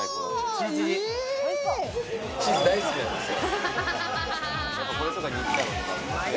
チーズ大好きなんですよ。